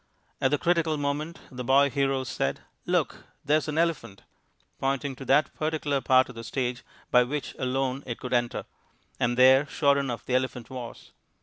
At the critical moment the boy hero said, "Look, there's an elephant," pointing to that particular part of the stage by which alone it could enter, and there, sure enough, the elephant was.